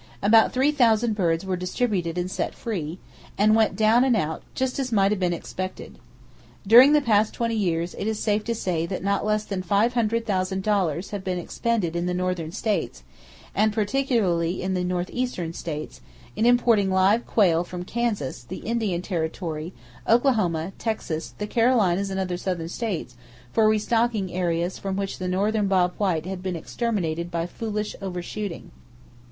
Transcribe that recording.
About three thousand birds were distributed and set free,—and went down and out, just as might have been expected. During the past twenty years it is safe to say that not less than $500,000 have been expended in the northern states, and particularly in the northeastern states, in importing live quail from Kansas, the Indian Territory, Oklahoma, Texas, the Carolinas and other southern states, for restocking areas from which the northern bob white had been exterminated by foolish over shooting!